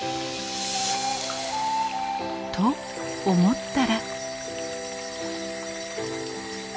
と思ったら。